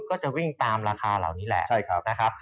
ก็จะวิ่งตามราคาเหล่านี้แหละนะครับ